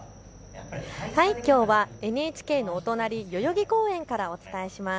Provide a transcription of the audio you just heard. きょうはＮＨＫのお隣、代々木公園からお伝えします。